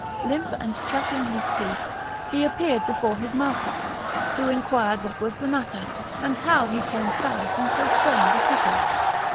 Limping and chattering his teeth, he appeared before his master, who inquired what was the matter, and how he came soused in so strange a pickle.